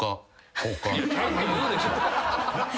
ちゃんと言うでしょ。